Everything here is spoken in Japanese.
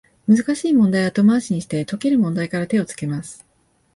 難しい問題は後回しにして、解ける問題から手をつけます